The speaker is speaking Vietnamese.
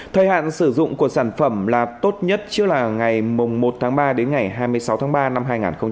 thời hạn sử dụng của sản phẩm là tốt nhất chứa là ngày một ba đến ngày hai mươi sáu ba năm hai nghìn một mươi chín